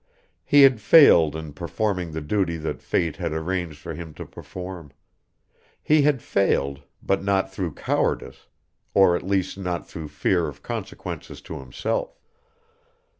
He had failed in performing the Duty that Fate had arranged for him to perform. He had failed, but not through cowardice, or at least not through fear of consequences to himself.